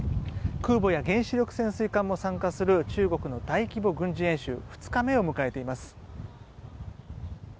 空母や原子力潜水艦も参加する中国の大規模軍事演習２日目を迎えています。